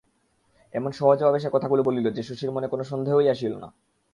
এমন সহজভাবে সে কথাগুলি বলিল যে শশীর মনে কোনো সন্দেহই আসিল না।